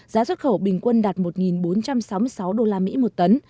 giá xuất khẩu bình quân đạt một bốn trăm sáu mươi sáu usd một tấn